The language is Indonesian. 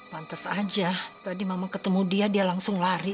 mantes aja tadi mama ketemu dia dia langsung lari